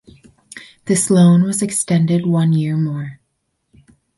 This loan was extended one year more.